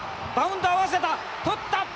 バウンド合わせた、とった！